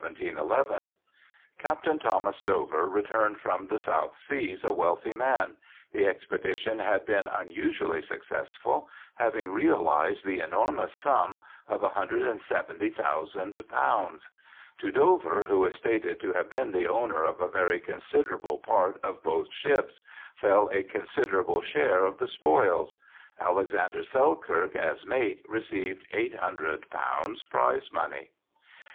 Captain Thomas Dover returned from the South Seas a wealthy man ; the expedition had been unusually suc cessful, having realized the enormous sum of ;^i 70,000. To Dover, who is stated to have been the owner of a very considerable part of both ships, fell a consider able share of the spoils. Alexander Selkirk as mate received ;^8oo prize money.